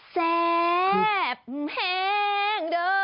แซ่บแห้งเด้อ